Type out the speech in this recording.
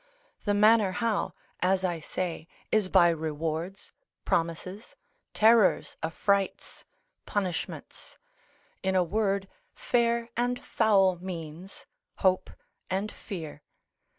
The manner how, as I say, is by rewards, promises, terrors, affrights, punishments. In a word, fair and foul means, hope and fear.